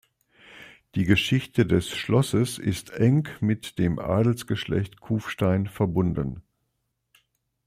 Die Geschichte des Schlosses ist eng mit dem Adelsgeschlecht Kuefstein verbunden.